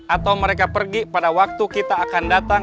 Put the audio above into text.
atau mereka pergi pada waktu kita akan datang